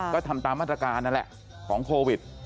ก็ทำตามมาตรการนั่นแหละของโควิด